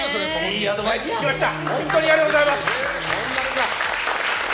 いいアドバイスが聞けました！